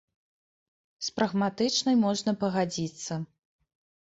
З прагматычнай можна пагадзіцца.